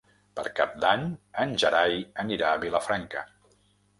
Per Cap d'Any en Gerai anirà a Vilafranca.